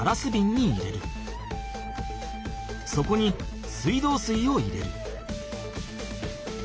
そこに水道水を入れる。